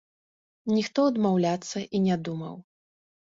Ніхто адмаўляцца і не думаў.